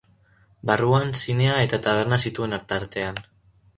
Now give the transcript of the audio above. Barruan zinea eta taberna zituen tartean.